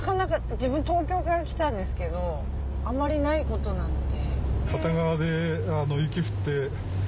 自分東京から来たんですけどあんまりないことなんで。